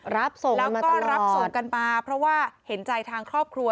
รับส่งมาตลอดแล้วก็รับส่งกันมาเพราะว่าเห็นใจทางครอบครัว